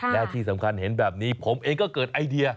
แล้วที่สำคัญเห็นแบบนี้ผมเองก็เกิดไอเดีย